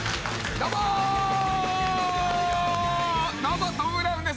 どうもトム・ブラウンです。